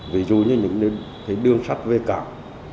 ví dụ như những cái đường sắt về cảng